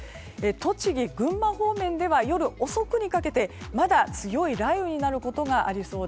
栃木、群馬方面では夜遅くにかけてまだ強い雷雨になる可能性もあります。